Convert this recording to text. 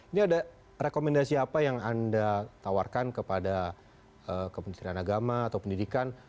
ini ada rekomendasi apa yang anda tawarkan kepada kementerian agama atau pendidikan